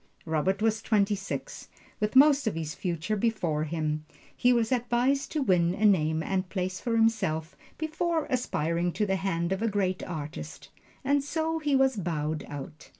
Robert was twenty six, with most of his future before him he was advised to win a name and place for himself before aspiring to the hand of a great artist: and so he was bowed out.